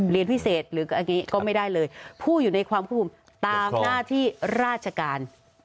เรียนพิเศษหรืออันนี้ก็ไม่ได้เลยผู้อยู่ในความควบคุมตามหน้าที่ราชการ